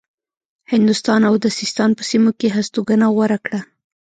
هندوستان او د سیستان په سیمو کې هستوګنه غوره کړه.